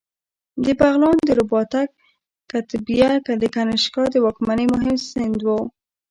د بغلان د رباطک کتیبه د کنیشکا د واکمنۍ مهم سند دی